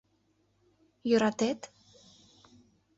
— Йӧратет?